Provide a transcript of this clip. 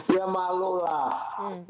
ya malu lah